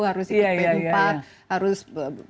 harus ipp empat harus